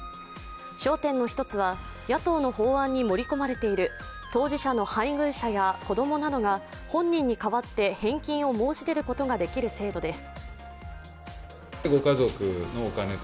焦点の一つは野党の法案に盛り込まれている当事者の配偶者子供などが本人に代わって返金を申し出ることができる制度です。